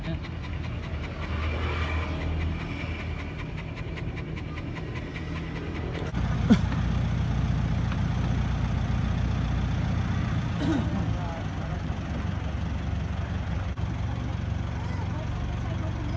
คนห้ายหมูถือว่า